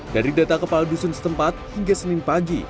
dari data kepala dusun setempat hingga senin pagi